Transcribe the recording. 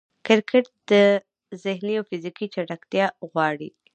کرکټ ذهني او فزیکي چټکتیا غواړي.